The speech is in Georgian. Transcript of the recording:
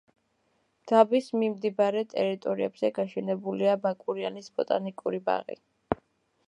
დაბის მიმდებარე ტერიტორიებზე გაშენებულია ბაკურიანის ბოტანიკური ბაღი.